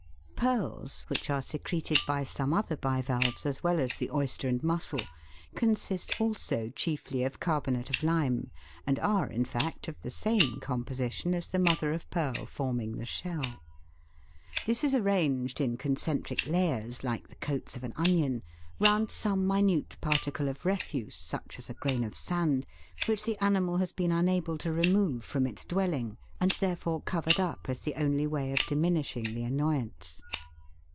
Pearls, which are secreted by some other bivalves, as well as the oyster and mussel, consist also chiefly of carbonate of lime, and are, in fact, of the same composition as the mother of pearl forming the shell. This is arranged in concentric layers like the coats of an onion, round some minute particle of refuse, such as a grain of sand, which the animal has been unable to re move from its dwelling, and therefore covered up as the only way of diminishing the annoyance.